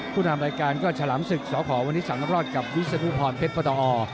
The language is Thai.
คุณทำรายการก็ชะลามศึกสะขอวันนี้สำนับรอบกับวิศนุพรพรพรปฏอ